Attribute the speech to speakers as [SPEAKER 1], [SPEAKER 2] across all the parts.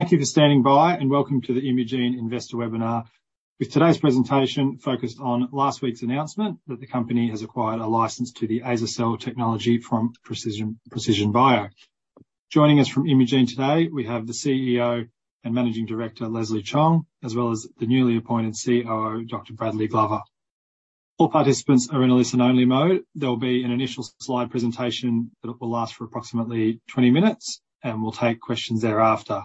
[SPEAKER 1] Thank you for standing by. Welcome to the Imugene Investor Webinar, with today's presentation focused on last week's announcement that the company has acquired a license to the azer-cel technology from Precision, Precision Bio. Joining us from Imugene today, we have the CEO and Managing Director, Leslie Chong, as well as the newly appointed COO, Dr. Bradley Glover. All participants are in a listen-only mode. There will be an initial slide presentation that will last for approximately 20 minutes. We'll take questions thereafter.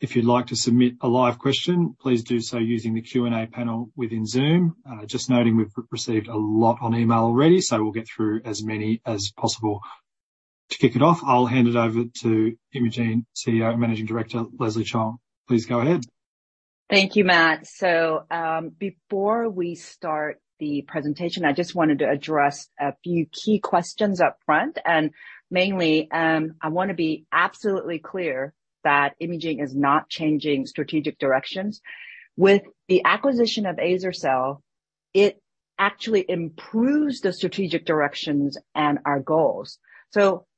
[SPEAKER 1] If you'd like to submit a live question, please do so using the Q&A panel within Zoom. Just noting we've received a lot on email already. We'll get through as many as possible. To kick it off, I'll hand it over to Imugene CEO and Managing Director, Leslie Chong. Please go ahead.
[SPEAKER 2] Thank you, Matt. Before we start the presentation, I just wanted to address a few key questions up front, and mainly, I want to be absolutely clear that Imugene is not changing strategic directions. With the acquisition of azer-cel, it actually improves the strategic directions and our goals.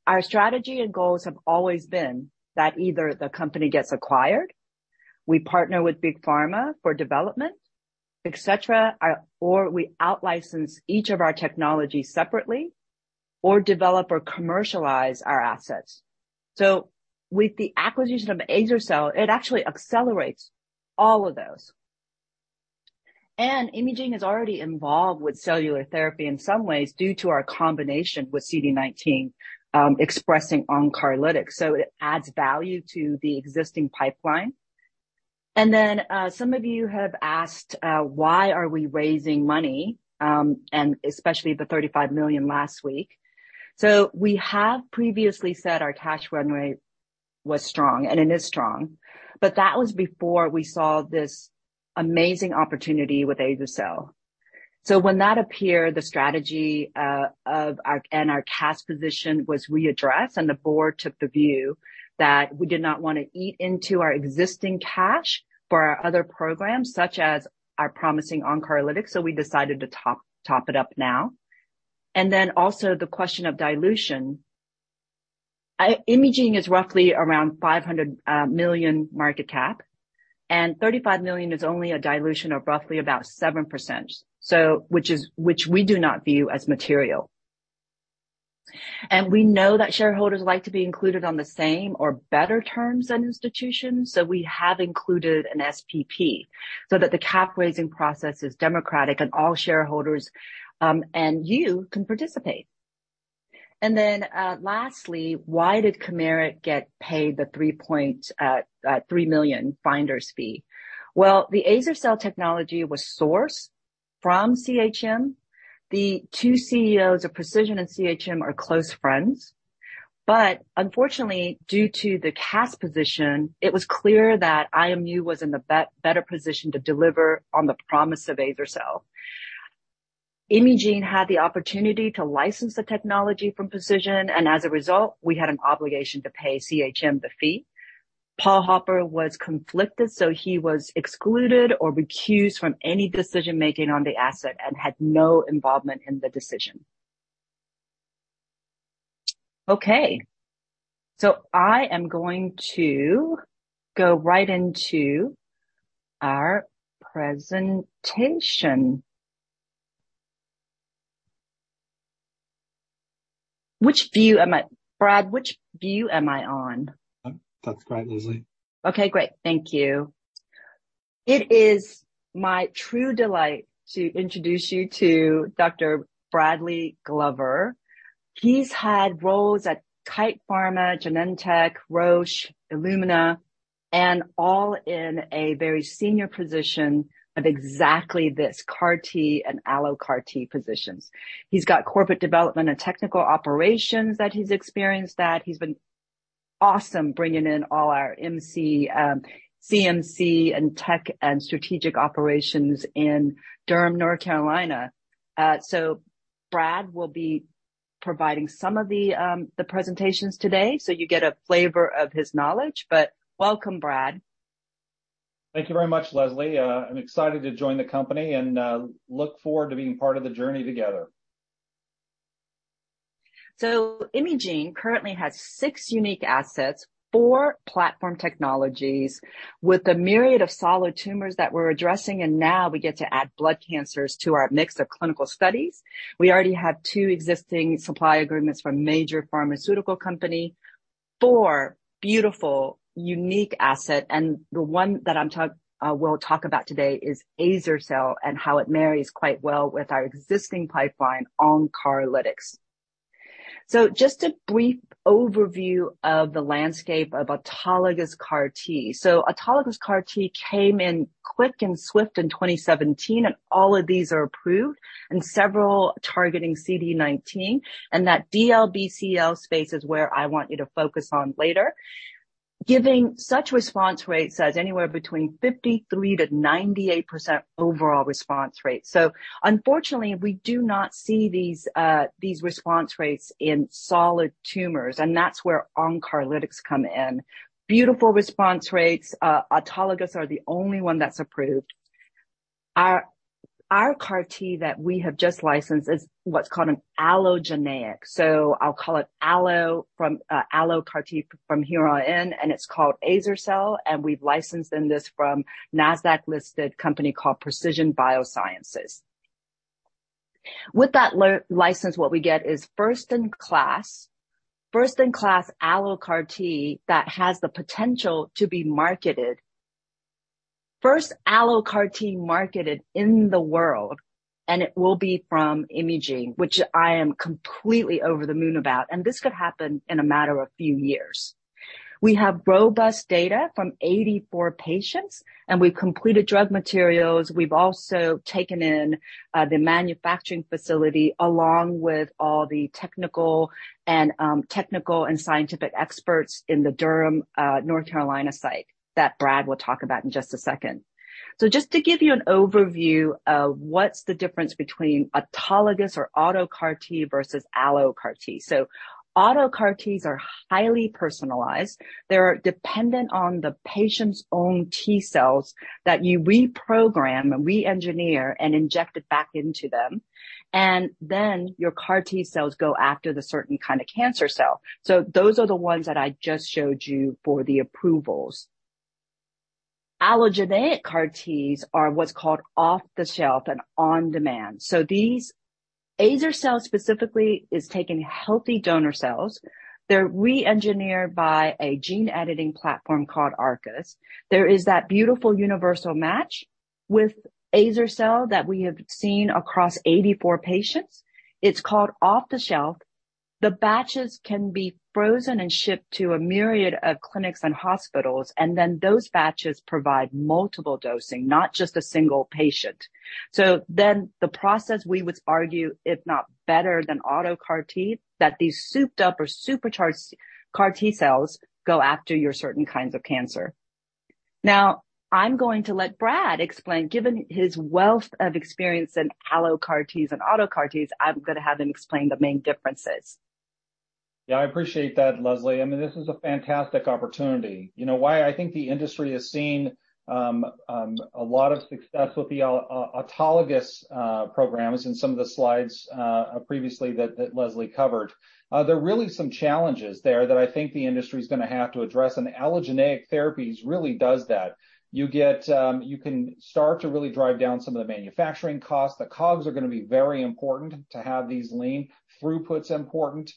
[SPEAKER 2] Our strategy and goals have always been that either the company gets acquired, we partner with Big Pharma for development, et cetera, or, or we out-license each of our technologies separately or develop or commercialize our assets. With the acquisition of azer-cel, it actually accelerates all of those. Imugene is already involved with cellular therapy in some ways, due to our combination with CD19, expressing onCARlytics, so it adds value to the existing pipeline. Some of you have asked, why are we raising money? Especially the $35 million last week. We have previously said our cash runway was strong, and it is strong, but that was before we saw this amazing opportunity with azer-cel. When that appeared, the strategy of our-- and our cash position was readdressed, and the board took the view that we did not want to eat into our existing cash for our other programs, such as our promising onCARlytics. We decided to top, top it up now. Also the question of dilution. Imugene is roughly around $500 million market cap, and $35 million is only a dilution of roughly about 7%, which is, which we do not view as material. We know that shareholders like to be included on the same or better terms than institutions, so we have included an SPP, so that the cap-raising process is democratic and all shareholders, and you can participate. Lastly, why did Chimeric get paid the 3.3 million finder's fee? The azer-cel technology was sourced from CHM. The two CEOs of Precision and CHM are close friends, but unfortunately, due to the cash position, it was clear that IMU was in the better position to deliver on the promise of azer-cel. Imugene had the opportunity to license the technology from Precision, and as a result, we had an obligation to pay CHM the fee. Paul Hopper was conflicted, so he was excluded or recused from any decision-making on the asset and had no involvement in the decision. Okay, I am going to go right into our presentation. Brad, which view am I on?
[SPEAKER 3] That's great, Leslie.
[SPEAKER 2] Okay, great. Thank you. It is my true delight to introduce you to Dr. Bradley Glover. He's had roles at Kite Pharma, Genentech, Roche, Illumina, and all in a very senior position of exactly this, CAR T and Allo CAR T positions. He's got corporate development and technical operations that he's experienced, that he's been awesome, bringing in all our CMC and tech and strategic operations in Durham, North Carolina. Brad will be providing some of the presentations today, so you get a flavor of his knowledge, but welcome, Brad.
[SPEAKER 3] Thank you very much, Leslie. I'm excited to join the company and look forward to being part of the journey together.
[SPEAKER 2] Imugene currently has six unique assets, four platform technologies, with a myriad of solid tumors that we're addressing, and now we get to add blood cancers to our mix of clinical studies. We already have two existing supply agreements from a major pharmaceutical company, four beautiful, unique asset, and the one that I'm talk, we'll talk about today is azer-cel and how it marries quite well with our existing pipeline onCARlytics. Just a brief overview of the landscape of autologous CAR T. Autologous CAR T came in quick and swift in 2017, and all of these are approved, and several targeting CD19. That DLBCL space is where I want you to focus on later. Giving such response rates as anywhere between 53%-98% overall response rate. Unfortunately, we do not see these these response rates in solid tumors, and that's where onCARlytics come in. Beautiful response rates, autologous are the only one that's approved. Our CAR T that we have just licensed is what's called an allogeneic, so I'll call it allo from allo CAR T from here on in, and it's called azer-cel, and we've licensed in this from Nasdaq-listed company called Precision BioSciences. With that license, what we get is first-in-class, first-in-class allo CAR T that has the potential to be marketed. First allo CAR T marketed in the world, and it will be from Imugene, which I am completely over the moon about, and this could happen in a matter of few years. We have robust data from 84 patients, and we've completed drug materials. We've also taken in the manufacturing facility, along with all the technical and technical and scientific experts in the Durham, North Carolina site, that Brad will talk about in just a second. Just to give you an overview of what's the difference between autologous or auto CAR T versus allo CAR T. Auto CAR Ts are highly personalized. They're dependent on the patient's own T cells that you reprogram, re-engineer, and inject it back into them, and then your CAR T cells go after the certain kind of cancer cell. Those are the ones that I just showed you for the approvals. Allogeneic CAR Ts are what's called off-the-shelf and on-demand. These azer-cel specifically is taking healthy donor cells. They're re-engineered by a gene-editing platform called ARCUS. There is that beautiful universal match with azer-cel that we have seen across 84 patients. It's called off-the-shelf. The batches can be frozen and shipped to a myriad of clinics and hospitals, and then those batches provide multiple dosing, not just a single patient. The process, we would argue, if not better than auto CAR T, that these souped-up or supercharged CAR T cells go after your certain kinds of cancer. I'm going to let Brad explain. Given his wealth of experience in AlloCAR Ts and auto CAR Ts, I'm going to have him explain the main differences.
[SPEAKER 3] Yeah, I appreciate that, Leslie. I mean, this is a fantastic opportunity. You know why I think the industry has seen a lot of success with the autologous programs in some of the slides previously that Leslie covered? There are really some challenges there that I think the industry's gonna have to address. Allogeneic therapies really does that. You can start to really drive down some of the manufacturing costs. The COGS are gonna be very important to have these lean. Throughput's important,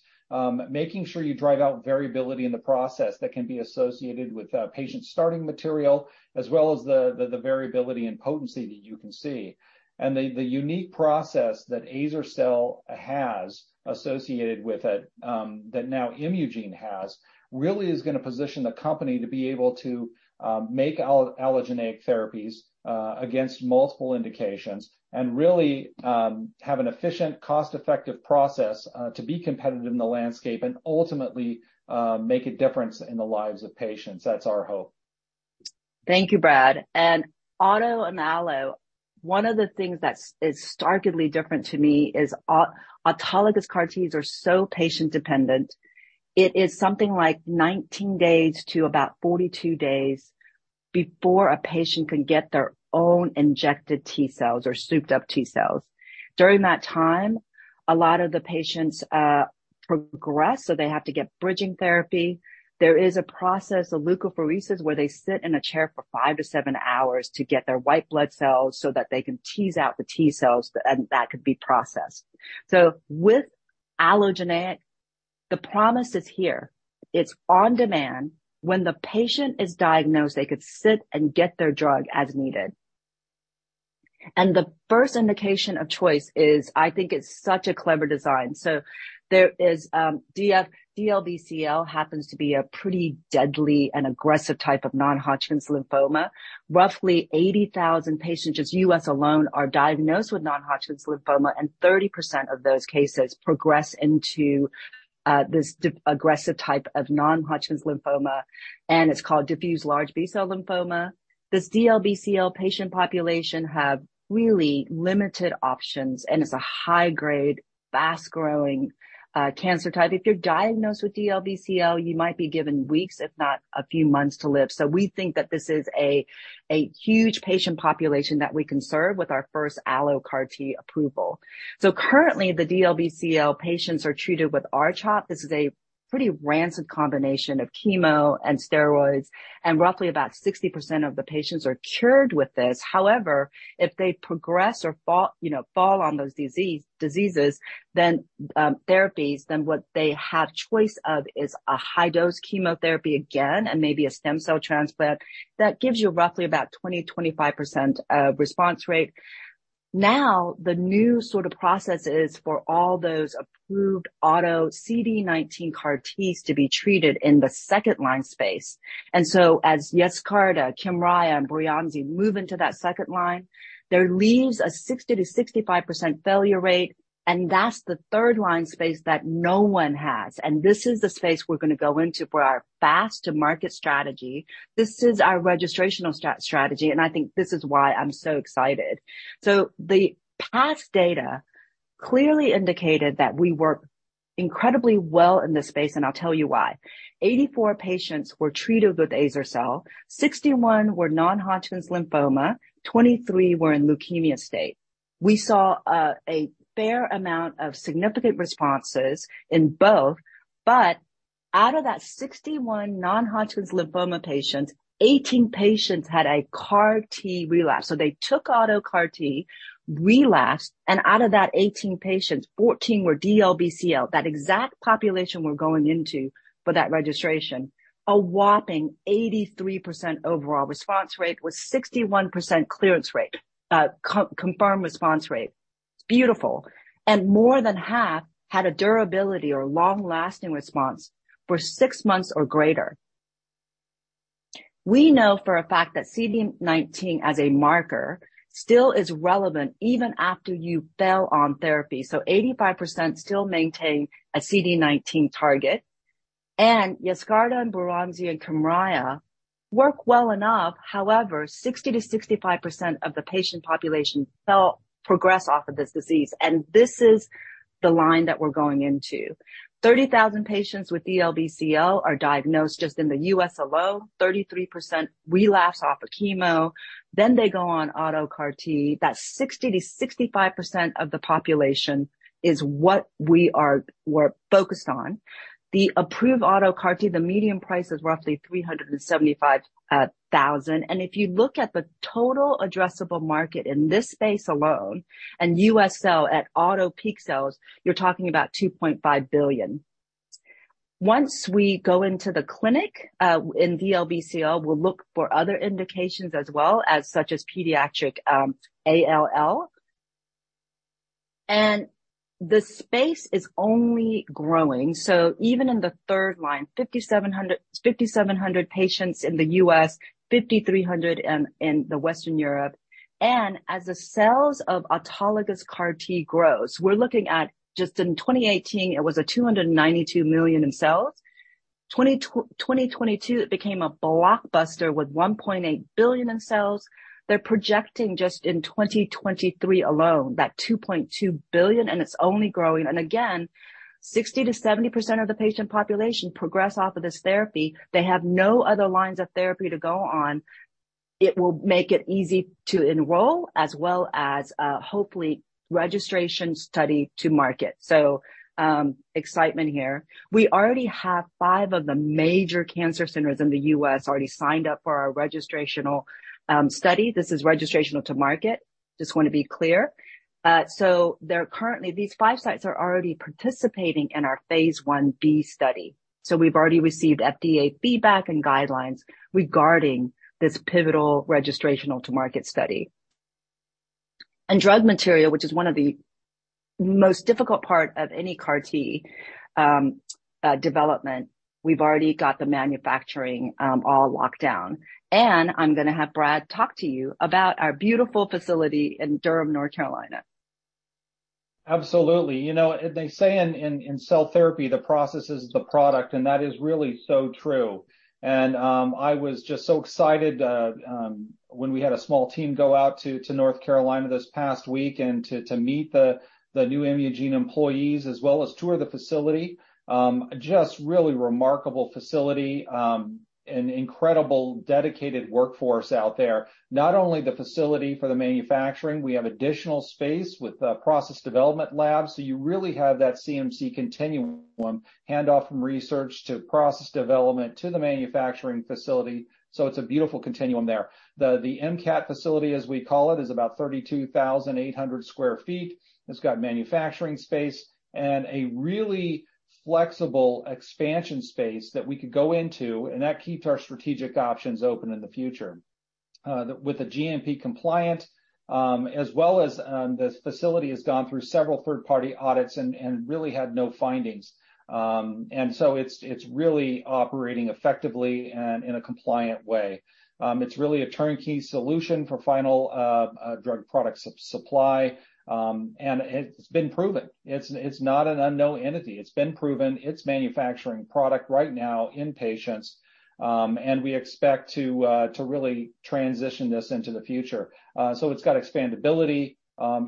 [SPEAKER 3] making sure you drive out variability in the process that can be associated with patient starting material, as well as the variability and potency that you can see. The, the unique process that azer-cel has associated with it, that now Imugene has, really is gonna position the company to be able to make all-allogeneic therapies, against multiple indications and really, have an efficient, cost-effective process, to be competitive in the landscape and ultimately, make a difference in the lives of patients. That's our hope.
[SPEAKER 2] Thank you, Brad. auto and allo, one of the things that's starkly different to me is autologous CAR Ts are so patient-dependent. It is something like 19 days to about 42 days before a patient can get their own injected T cells or souped-up T cells. During that time, a lot of the patients progress, so they have to get bridging therapy. There is a process, a leukapheresis, where they sit in a chair for 5 to 7 hours to get their white blood cells so that they can tease out the T cells, and that could be processed. With allogeneic, the promise is here, it's on demand. When the patient is diagnosed, they could sit and get their drug as needed. The first indication of choice is, I think it's such a clever design. There is DLBCL happens to be a pretty deadly and aggressive type of non-Hodgkin lymphoma. Roughly 80,000 patients, just U.S. alone, are diagnosed with non-Hodgkin lymphoma, and 30% of those cases progress into this aggressive type of non-Hodgkin lymphoma, and it's called diffuse large B-cell lymphoma. This DLBCL patient population have really limited options, and it's a high-grade, fast-growing cancer type. If you're diagnosed with DLBCL, you might be given weeks, if not a few months, to live. We think that this is a, a huge patient population that we can serve with our first AlloCAR T approval. Currently, the DLBCL patients are treated with R-CHOP. This is a pretty rancid combination of chemo and steroids, and roughly about 60% of the patients are cured with this. However, if they progress or fall, you know, fall on those diseases, then therapies, then what they have choice of is a high-dose chemotherapy again and maybe a stem cell transplant. That gives you roughly about 20-25% response rate. The new sort of process is for all those approved auto CD19 CAR Ts to be treated in the second-line space. As Yescarta, Kymriah, and Breyanzi move into that second line, there leaves a 60-65% failure rate, and that's the third-line space that no one has. This is the space we're gonna go into for our fast to market strategy. This is our registrational strategy, and I think this is why I'm so excited. The past data clearly indicated that we were incredibly well in this space, and I'll tell you why. 84 patients were treated with azer-cel. 61 were non-Hodgkin lymphoma, 23 were in leukemia state. We saw a fair amount of significant responses in both, but out of that 61 non-Hodgkin lymphoma patients, 18 patients had a CAR T relapse. They took auto CAR T, relapsed, and out of that 18 patients, 14 were DLBCL. That exact population we're going into for that registration, a whopping 83% overall response rate, with 61% co-confirmed response rate. Beautiful! More than half had a durability or long-lasting response for 6 months or greater. We know for a fact that CD19 as a marker, still is relevant even after you fail on therapy. 85% still maintain a CD19 target, and Yescarta and Breyanzi and Kymriah work well enough. However, 60%-65% of the patient population fail, progress off of this disease. This is the line that we're going into. 30,000 patients with DLBCL are diagnosed just in the U.S. alone, 33% relapse off of chemo. They go on auto CAR T. That 60%-65% of the population is what we're focused on. The approved auto CAR T, the median price is roughly $375,000. If you look at the total addressable market in this space alone, and U.S. sales at auto peak sales, you're talking about $2.5 billion. Once we go into the clinic in DLBCL, we'll look for other indications as well as such as pediatric ALL. The space is only growing, even in the third line, 5,700, 5,700 patients in the U.S., 5,300 in, in the Western Europe. As the sales of autologous CAR T grows, we're looking at just in 2018, it was a $292 million in sales. 2022, it became a blockbuster with $1.8 billion in sales. They're projecting just in 2023 alone, that $2.2 billion, it's only growing. Again, 60%-70% of the patient population progress off of this therapy. They have no other lines of therapy to go on. It will make it easy to enroll, as well as, hopefully, registration study to market. Excitement here. We already have five of the major cancer centers in the U.S. already signed up for our registrational study. This is registrational to market. Just wanna be clear. There are currently-- these five sites are already participating in our phase I-B study. We've already received FDA feedback and guidelines regarding this pivotal registrational to market study. Drug material, which is one of the most difficult part of any CAR T development, we've already got the manufacturing all locked down, and I'm gonna have Brad talk to you about our beautiful facility in Durham, North Carolina.
[SPEAKER 3] Absolutely. You know, they say in, in, in cell therapy, the process is the product, and that is really so true. I was just so excited when we had a small team go out to North Carolina this past week and to meet the new Imugene employees as well as tour the facility. Just really remarkable facility and incredible dedicated workforce out there. Not only the facility for the manufacturing, we have additional space with process development labs. You really have that CMC continuum, hand off from research to process development to the manufacturing facility. It's a beautiful continuum there. The MCAT facility, as we call it, is about 32,800 sq ft. It's got manufacturing space and a really flexible expansion space that we could go into, and that keeps our strategic options open in the future. With a GMP compliant, as well as, this facility has gone through several third-party audits and really had no findings. It's, it's really operating effectively and in a compliant way. It's really a turnkey solution for final drug product supply, It's been proven. It's, it's not an unknown entity. It's been proven. It's manufacturing product right now in patients, We expect to really transition this into the future. It's got expandability,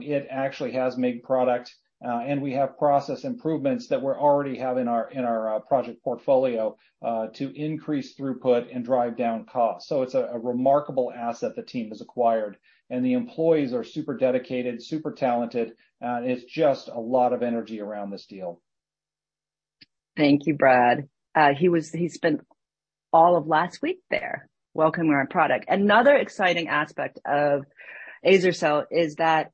[SPEAKER 3] it actually has made product, We have process improvements that we're already have in our, in our, project portfolio, to increase throughput and drive down costs. It's a, a remarkable asset the team has acquired, and the employees are super dedicated, super talented, and it's just a lot of energy around this deal.
[SPEAKER 2] Thank you, Brad. He spent all of last week there, welcoming our product. Another exciting aspect of azer-cel is that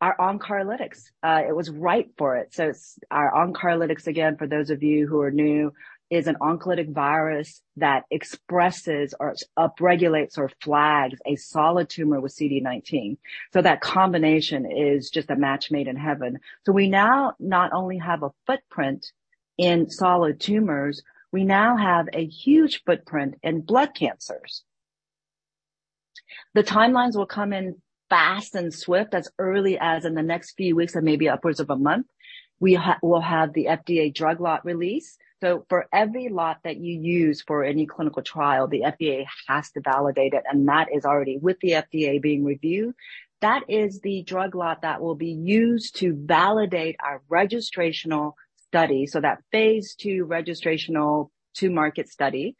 [SPEAKER 2] our onCARlytics, it was right for it. It's our onCARlytics, again, for those of you who are new, is an oncolytic virus that expresses or upregulates or flags a solid tumor with CD19. That combination is just a match made in heaven. We now not only have a footprint in solid tumors, we now have a huge footprint in blood cancers.... The timelines will come in fast and swift, as early as in the next few weeks or maybe upwards of a month. We'll have the FDA drug lot release. For every lot that you use for any clinical trial, the FDA has to validate it, and that is already with the FDA being reviewed. That is the drug lot that will be used to validate our registrational study, so that phase II registrational to market study.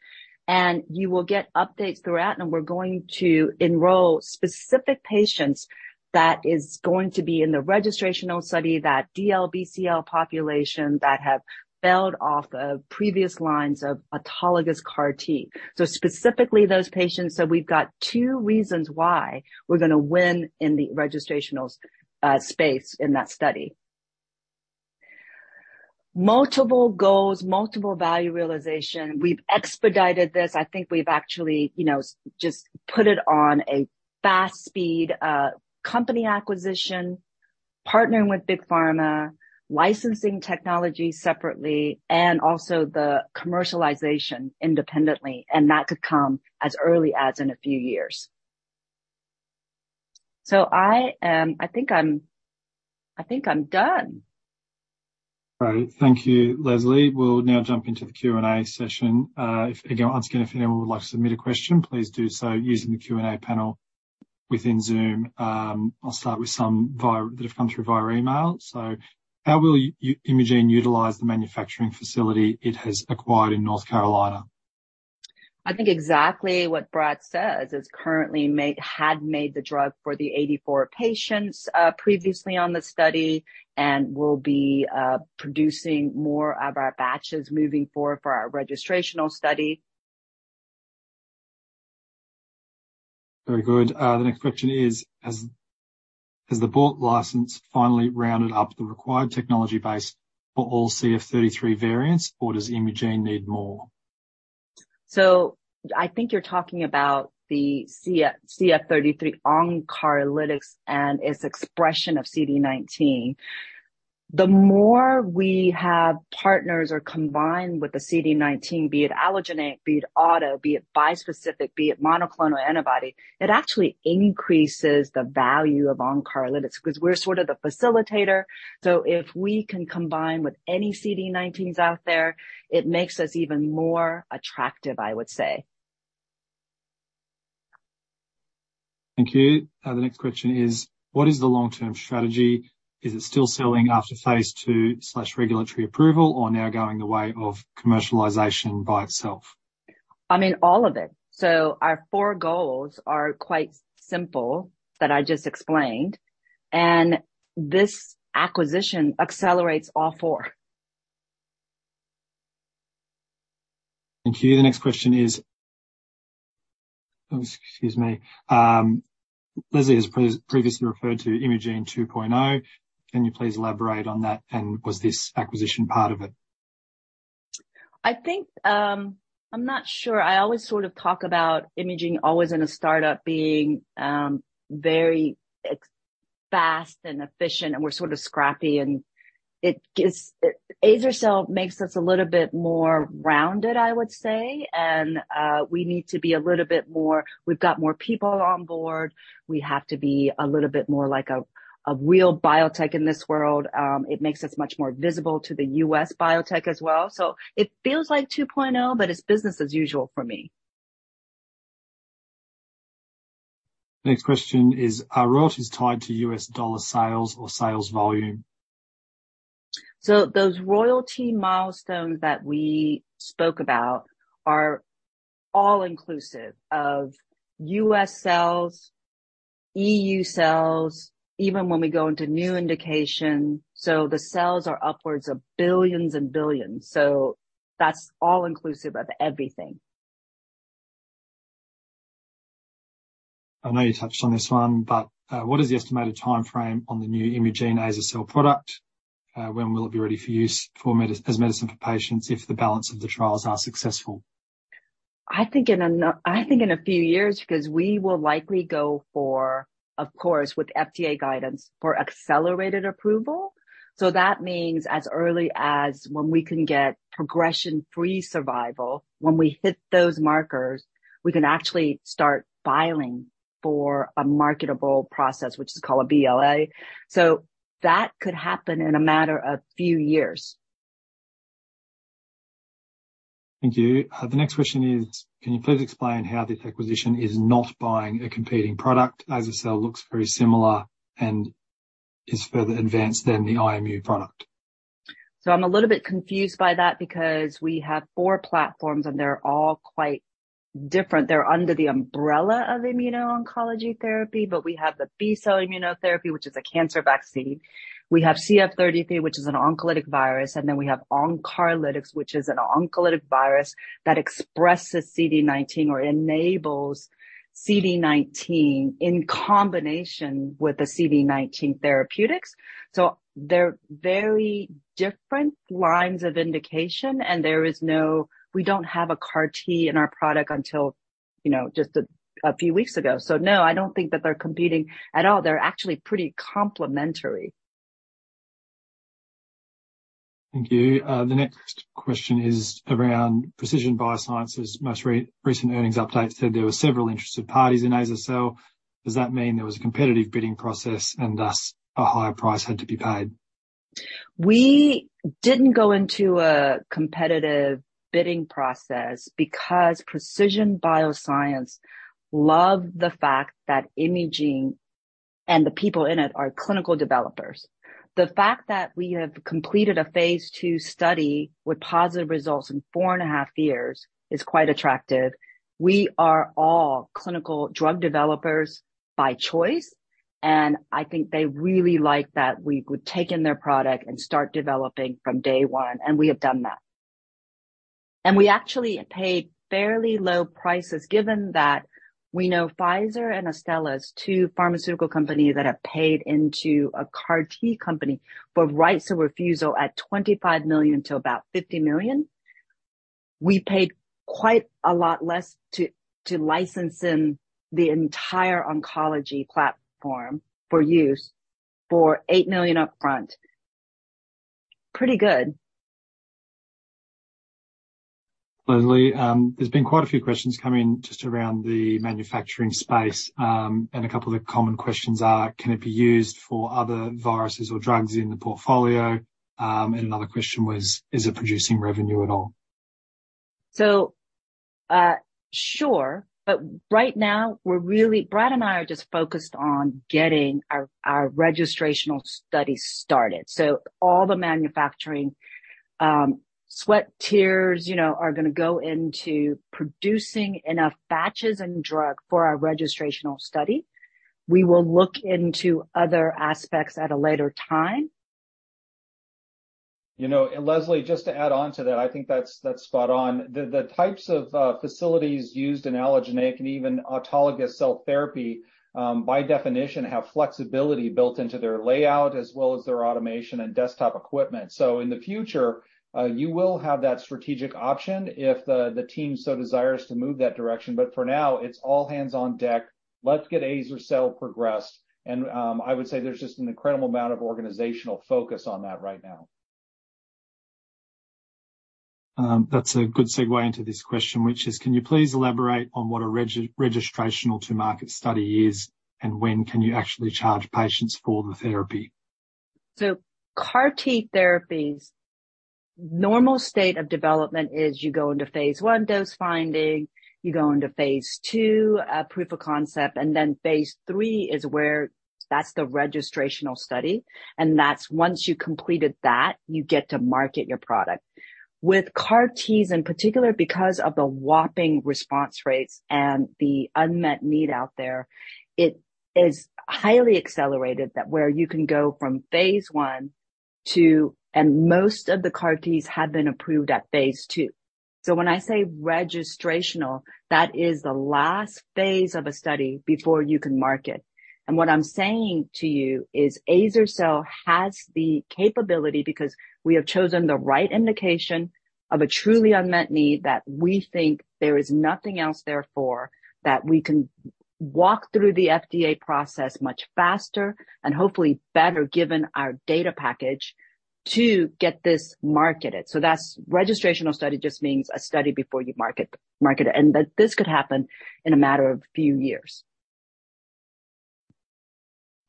[SPEAKER 2] You will get updates throughout, and we're going to enroll specific patients that is going to be in the registrational study, that DLBCL population that have failed off of previous lines of autologous CAR T. Specifically, those patients. We've got two reasons why we're going to win in the registrational space in that study. Multiple goals, multiple value realization. We've expedited this. I think we've actually, you know, just put it on a fast speed, company acquisition, partnering with Big Pharma, licensing technology separately, and also the commercialization independently, and that could come as early as in a few years. I am... I think I'm, I think I'm done.
[SPEAKER 1] All right. Thank you, Leslie. We'll now jump into the Q&A session. If, again, once again, if anyone would like to submit a question, please do so using the Q&A panel within Zoom. I'll start with some via, that have come through via email. How will Imugene utilize the manufacturing facility it has acquired in North Carolina?
[SPEAKER 2] I think exactly what Brad says. It's currently had made the drug for the 84 patients, previously on the study and will be producing more of our batches moving forward for our registrational study.
[SPEAKER 1] Very good. The next question is: Has, has the bought license finally rounded up the required technology base for all CF33 variants, or does Imugene need more?
[SPEAKER 2] I think you're talking about the CF, CF33 onCARlytics and its expression of CD19. The more we have partners or combined with the CD19, be it allogeneic, be it auto, be it bispecific, be it monoclonal antibody, it actually increases the value of onCARlytics because we're sort of the facilitator. If we can combine with any CD19s out there, it makes us even more attractive, I would say.
[SPEAKER 1] Thank you. The next question is: What is the long-term strategy? Is it still selling after phase II/regulatory approval or now going the way of commercialization by itself?
[SPEAKER 2] I mean, all of it. Our four goals are quite simple, that I just explained. This acquisition accelerates all four.
[SPEAKER 1] Thank you. The next question is. Excuse me. Leslie has previously referred to Imugene 2.0. Can you please elaborate on that, and was this acquisition part of it?
[SPEAKER 2] I think, I'm not sure. I always sort of talk about Imugene always in a start-up being very fast and efficient, and we're sort of scrappy, azer-cel makes us a little bit more rounded, I would say. We need to be a little bit more... We've got more people on board. We have to be a little bit more like a, a real biotech in this world. It makes us much more visible to the U.S. biotech as well. It feels like 2.0, but it's business as usual for me.
[SPEAKER 1] Next question is: Are royalties tied to US dollar sales or sales volume?
[SPEAKER 2] Those royalty milestones that we spoke about are all inclusive of US sales, EU sales, even when we go into new indication. The cells are upwards of billions and billions, that's all inclusive of everything.
[SPEAKER 1] I know you touched on this one, what is the estimated timeframe on the new Imugene azer-cel product? When will it be ready for use for as medicine for patients if the balance of the trials are successful?
[SPEAKER 2] I think in a few years, because we will likely go for, of course, with FDA guidance, for accelerated approval. That means as early as when we can get progression-free survival, when we hit those markers, we can actually start filing for a marketable process, which is called a BLA. That could happen in a matter of few years.
[SPEAKER 1] Thank you. The next question is: Can you please explain how this acquisition is not buying a competing product? azer-cel looks very similar and is further advanced than the Imugene product.
[SPEAKER 2] I'm a little bit confused by that because we have four platforms, and they're all quite different. They're under the umbrella of immuno-oncology therapy, we have the B-cell immunotherapy, which is a cancer vaccine. We have CF33, which is an oncolytic virus. We have onCARlytics, which is an oncolytic virus that expresses CD19 or enables CD19 in combination with the CD19 therapeutics. They're very different lines of indication, and we don't have a CAR T in our product until, you know, just a few weeks ago. No, I don't think that they're competing at all. They're actually pretty complementary.
[SPEAKER 1] Thank you. The next question is around Precision BioSciences. Most recent earnings update said there were several interested parties in azer-cel. Does that mean there was a competitive bidding process and thus a higher price had to be paid?
[SPEAKER 2] We didn't go into a competitive bidding process because Precision BioSciences loved the fact that Imugene and the people in it are clinical developers. The fact that we have completed a phase II study with positive results in four and a half years is quite attractive. We are all clinical drug developers by choice, and I think they really like that we would take in their product and start developing from day one, and we have done that. We actually paid fairly low prices, given that we know Pfizer and Astellas, two pharmaceutical companies that have paid into a CAR T company, but rights of refusal at $25 million-$50 million. We paid quite a lot less to, to license in the entire oncology platform for use for $8 million upfront. Pretty good.
[SPEAKER 1] Leslie, there's been quite a few questions coming just around the manufacturing space. A couple of the common questions are: Can it be used for other viruses or drugs in the portfolio? Another question was: Is it producing revenue at all?
[SPEAKER 2] Sure. Right now, we're Brad and I are just focused on getting our, our registrational study started. All the manufacturing, sweat, tears, you know, are gonna go into producing enough batches and drug for our registrational study. We will look into other aspects at a later time.
[SPEAKER 3] You know, and Leslie, just to add on to that, I think that's, that's spot on. The, the types of facilities used in allogeneic and even autologous cell therapy, by definition, have flexibility built into their layout as well as their automation and desktop equipment. In the future, you will have that strategic option if the, the team so desires to move that direction. For now, it's all hands on deck. Let's get azer-cel progressed, and I would say there's just an incredible amount of organizational focus on that right now.
[SPEAKER 1] that's a good segue into this question, which is, can you please elaborate on what a registrational to market study is, and when can you actually charge patients for the therapy?
[SPEAKER 2] CAR T therapies, normal state of development is you go into phase I, dose-finding, you go into phase II, proof of concept. Phase III is where, that's the registrational study. That's once you completed that, you get to market your product. With CAR Ts in particular, because of the whopping response rates and the unmet need out there, it is highly accelerated that where you can go from phase I, and most of the CAR Ts have been approved at phase II. When I say registrational, that is the last phase of a study before you can market. What I'm saying to you is, azer-cel has the capability because we have chosen the right indication of a truly unmet need, that we think there is nothing else therefore, that we can walk through the FDA process much faster and hopefully better, given our data package, to get this marketed. Registrational study just means a study before you market, market, and that this could happen in a matter of few years.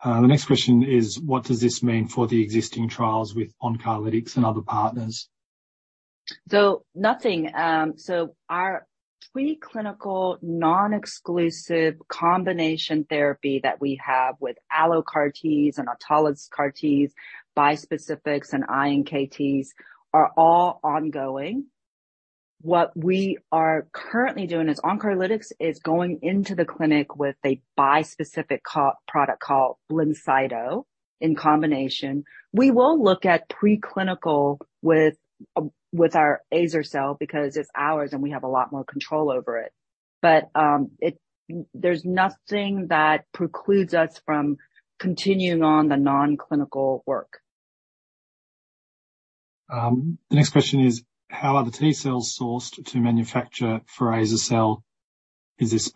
[SPEAKER 1] The next question is, what does this mean for the existing trials with onCARlytics and other partners?
[SPEAKER 2] Nothing. Our pre-clinical, non-exclusive combination therapy that we have with AlloCAR Ts and autologous CAR Ts, bispecifics, and iNKTs are all ongoing. What we are currently doing is, onCARlytics is going into the clinic with a bispecific co-product called Blincyto in combination. We will look at preclinical with, with our azer-cel because it's ours, and we have a lot more control over it. There's nothing that precludes us from continuing on the non-clinical work.
[SPEAKER 1] The next question is, how are the T cells sourced to manufacture for azer-cel? Is this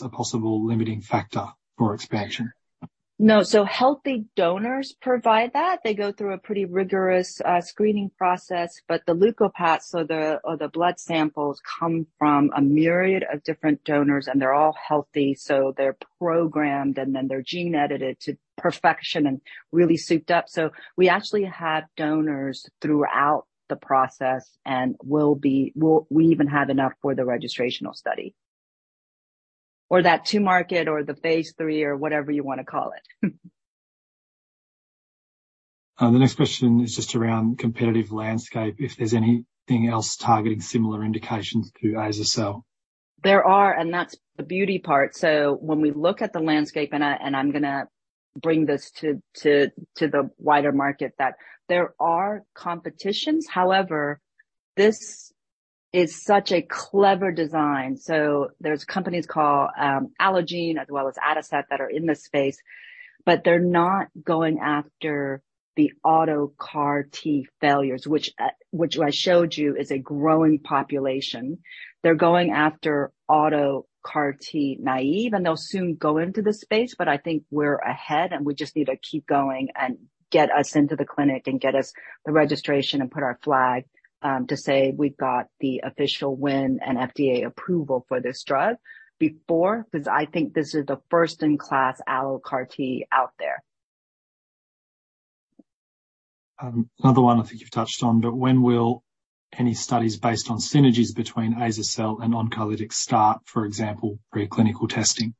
[SPEAKER 1] a possible limiting factor for expansion?
[SPEAKER 2] No. Healthy donors provide that. They go through a pretty rigorous screening process, but the leukapheresis, or the blood samples, come from a myriad of different donors, and they're all healthy, so they're programmed, and then they're gene-edited to perfection and really souped up. We actually have donors throughout the process and We even have enough for the registrational study or that to market or the phase III or whatever you wanna call it.
[SPEAKER 1] The next question is just around competitive landscape. If there's anything else targeting similar indications to azer-cel?
[SPEAKER 2] There are, and that's the beauty part. When we look at the landscape, and I, and I'm gonna bring this to, to, to the wider market, that there are competitions. However, this is such a clever design. There's companies called Allogene as well as Adicet Bio that are in this space, but they're not going after the auto CAR T failures, which I showed you is a growing population. They're going after auto CAR T naive, and they'll soon go into the space, but I think we're ahead, and we just need to keep going and get us into the clinic and get us the registration and put our flag to say we've got the official win and FDA approval for this drug before. I think this is the first-in-class allo CAR T out there.
[SPEAKER 1] Another one I think you've touched on, but when will any studies based on synergies between azer-cel and oncolytics start, for example, preclinical testing?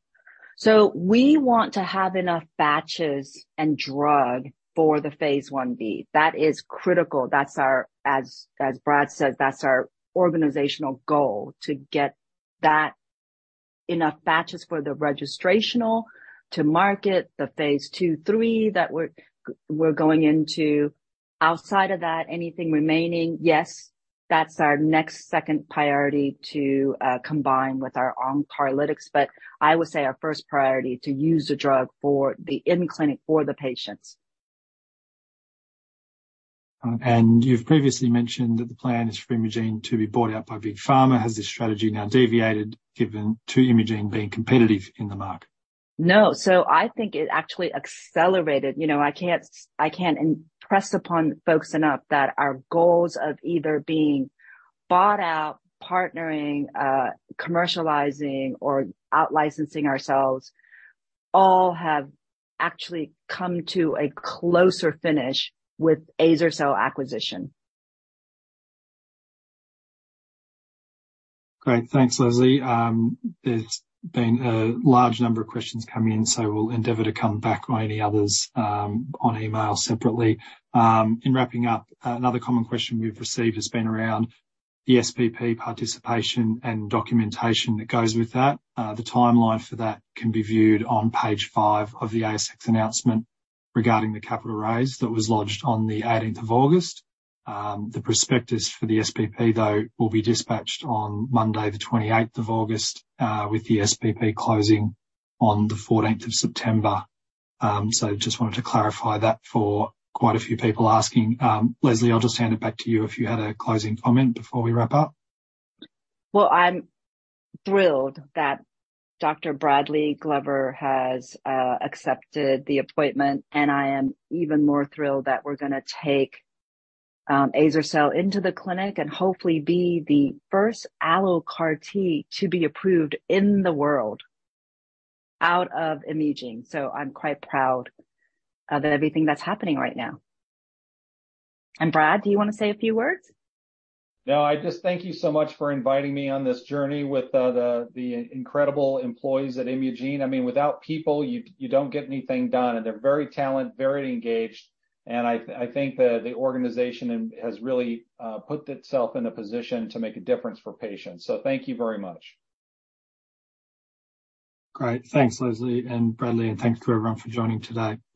[SPEAKER 2] We want to have enough batches and drug for the phase I-B. That is critical. That's our, as, as Brad said, that's our organizational goal, to get that enough batches for the registrational to market, the phase II, III that we're going into. Outside of that, anything remaining, yes, that's our next second priority to combine with our onCARlytics. I would say our first priority, to use the drug for the in-clinic for the patients.
[SPEAKER 1] You've previously mentioned that the plan is for Imugene to be bought out by Big Pharma. Has this strategy now deviated, given to Imugene being competitive in the market?
[SPEAKER 2] No. I think it actually accelerated. You know, I can't, I can't impress upon folks enough that our goals of either being bought out, partnering, commercializing or out-licensing ourselves, all have actually come to a closer finish with azer-cel acquisition.
[SPEAKER 1] Great. Thanks, Leslie. There's been a large number of questions come in, we'll endeavor to come back on any others on email separately. In wrapping up, another common question we've received has been around the SPP participation and documentation that goes with that. The timeline for that can be viewed on page five of the ASX announcement regarding the capital raise that was lodged on the 18th of August. The prospectus for the SPP, though, will be dispatched on Monday, the 28th of August, with the SPP closing on the 14th of September. Just wanted to clarify that for quite a few people asking. Leslie, I'll just hand it back to you if you had a closing comment before we wrap up.
[SPEAKER 2] Well, I'm thrilled that Dr. Bradley Glover has accepted the appointment, and I am even more thrilled that we're gonna take azer-cel into the clinic and hopefully be the first AlloCAR T to be approved in the world out of Imugene. I'm quite proud of everything that's happening right now. Brad, do you want to say a few words?
[SPEAKER 3] No, I just thank you so much for inviting me on this journey with the incredible employees at Imugene. I mean, without people, you, you don't get anything done, and they're very talented, very engaged, and I, I think that the organization has really put itself in a position to make a difference for patients. Thank you very much.
[SPEAKER 1] Great. Thanks, Leslie and Bradley, and thanks to everyone for joining today.